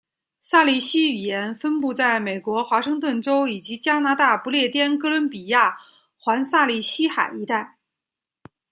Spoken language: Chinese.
萨利希语言分布在美国华盛顿州以及加拿大不列颠哥伦比亚环萨利希海一带。